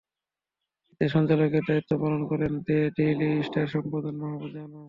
এতে সঞ্চালকের দায়িত্ব পালন করেন দ্য ডেইলি স্টার-এর সম্পাদক মাহ্ফুজ আনাম।